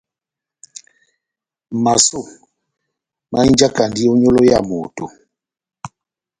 Masó mahinjandi ó nyolo ya moto.